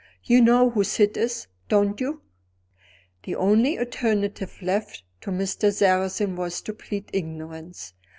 You know who Syd is, don't you?" The only alternative left to Mr. Sarrazin was to plead ignorance.